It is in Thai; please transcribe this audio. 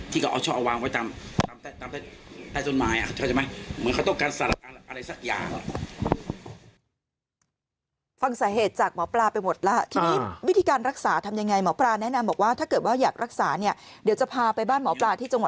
ที่เขาเอาชอบเอาวางไว้ตามใต้ต้นไม้อ่ะเขาเข้าใจไหม